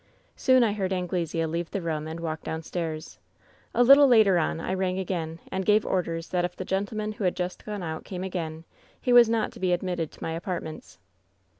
"Soon I heard Anglesea leave the room and walk downstairs. "A little later on I rang again and gave orders that if the gentleman who had just gone out came again, he was not to be admitted to my apartments.